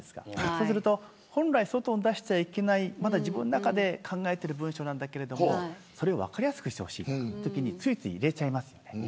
そうすると本来、外に出してはいけないまだ自分の中で考えている文章なんだけどそれを分かりやすくしてほしくてついつい入れちゃいますよね。